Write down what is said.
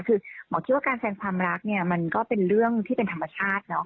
คือหมอคิดว่าการแทนความรักมันก็เป็นเรื่องที่เป็นธรรมชาติ